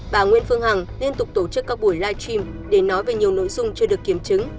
bà nguyễn phương hằng liên tục tổ chức các buổi live stream để nói về nhiều nội dung chưa được kiểm chứng